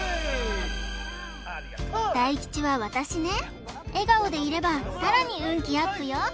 大吉は私ね笑顔でいればさらに運気アップよ